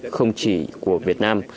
không chỉ của việt nam